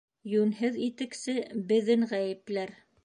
Йүнһеҙ итексе беҙен ғәйепләр.